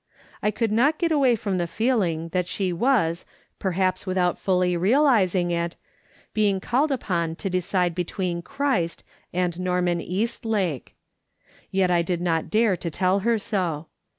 I could not get away from the feeling that she was, perhaps without fully realising it, being called upon to decide between Christ and Xorman Eastlake. Yet I did not dare to tell her so.